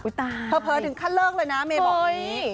อุ๊ยตายเผลอถึงขั้นเลิกเลยนะเมย์บอกอย่างนี้